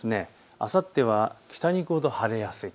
あさっては北に行くほど晴れやすい。